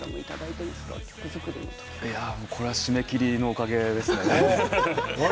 とこれは締め切りのおかげですね。